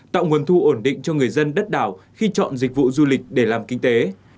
tạo nguồn thu ổn định cho người dân đất đảo khi chọn dịch vụ du lịch để làm kinh tế